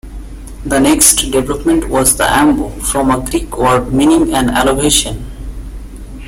The next development was the "ambo", from a Greek word meaning an elevation.